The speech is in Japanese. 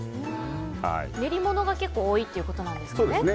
練り物が多いということですかね？